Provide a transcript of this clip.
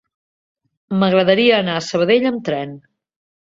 M'agradaria anar a Sabadell amb tren.